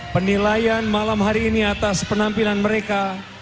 penilaian malam hari ini atas penampilan mereka